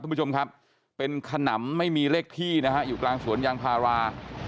คุณผู้ชมครับเป็นขนำไม่มีเลขที่นะฮะอยู่กลางสวนยางพารา